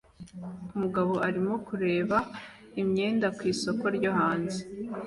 Umugabo arimo kureba imyenda ku isoko ryo hanze